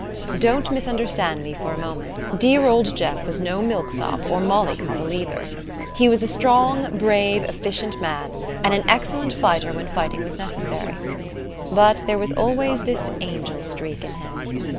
Don't misunderstand me for a moment. Dear old Jeff was no milksop or molly coddle either. He was a strong, brave, efficient man, and an excellent fighter when fighting was necessary. But there was always this angel streak in him.